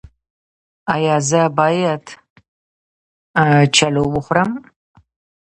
ایا زه باید چلو وخورم؟